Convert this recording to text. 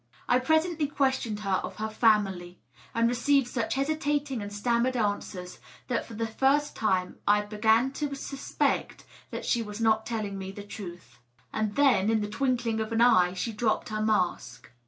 I presently questioned her of her family, and received such hesitating ana stammered answers that for the first time I b^an to suspect she was not telling me the truth. And then, in the twink ling of an eye, she dropped her mask.